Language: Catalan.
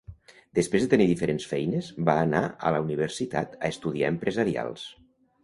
Després de tenir diferents feines, va anar a la universitat a estudiar empresarials.